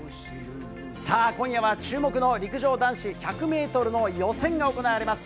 さあ、今夜は注目の陸上男子１００メートルの予選が行われます。